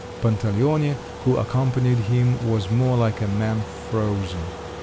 Pantaleone, who accompanied him, was more like a man frozen.